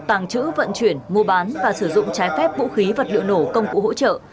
tàng trữ vận chuyển mua bán và sử dụng trái phép vũ khí vật liệu nổ công cụ hỗ trợ